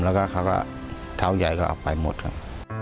แล้วก็เขาก็เท้าใหญ่ก็เอาไปหมดครับ